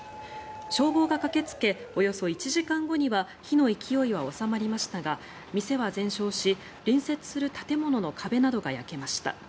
消防が駆けつけおよそ１時間後には火の勢いは収まりましたが店は全焼し隣接する建物の壁などが焼けました。